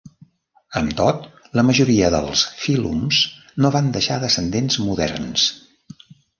Amb tot, la majoria dels fílums no van deixar descendents moderns.